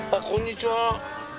こんにちは。